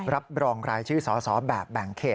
รับรองรายชื่อสอสอแบบแบ่งเขต